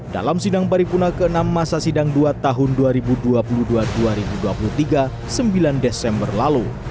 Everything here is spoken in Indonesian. dalam sidang paripuna ke enam masa sidang dua tahun dua ribu dua puluh dua dua ribu dua puluh tiga sembilan desember lalu